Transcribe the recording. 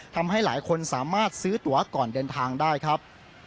ทำให้หลายคนสามารถซื้อตัวก่อนเดินทางได้ครับ